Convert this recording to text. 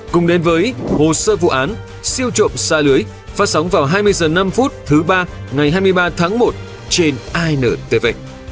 cùng đến với hồ sơ vụ án siêu trộm xa lưới phát sóng vào hai mươi h năm thứ ba ngày hai mươi ba tháng một trên intv